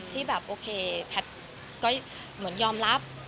ที่แบบโอเคแพทย์ก็เหมือนยอมรับ